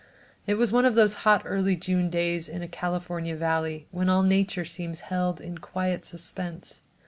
It was one of those hot early June days in a California valley when all nature seems held in quiet suspense.